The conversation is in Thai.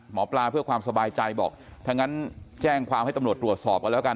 หมอปลาเพื่อความสบายใจบอกถ้างั้นแจ้งความให้ตำรวจตรวจสอบกันแล้วกัน